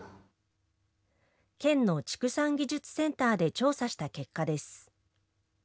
県の畜産技術センターで調査した結果です。